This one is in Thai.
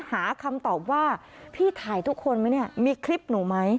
หาคำตอบว่าพี่ถ่ายทุกคนไหมเนี่ยมีคลิปหนูไหม